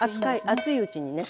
熱いうちにね。